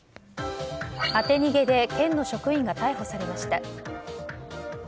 当て逃げで県の職員が逮捕されました。